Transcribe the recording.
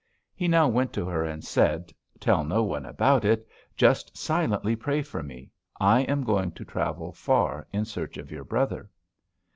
He now went to her and said: 'Tell no one about it. Just silently pray for me. I am going to travel far in search of your brother.'